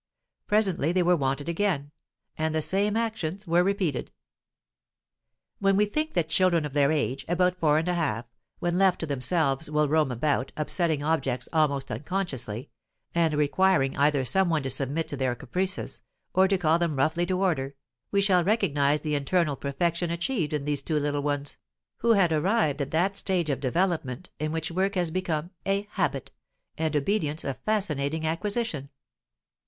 Presently they were wanted again, and the same actions were repeated. When we think that children of their age (about four and a half), when left to themselves, will roam about, upsetting objects almost unconsciously, and requiring either some one to submit to their caprices, or to call them roughly to order, we shall recognize the internal perfection achieved in these two little ones, who have arrived at that stage of development in which work has become a habit, and obedience a fascinating acquisition.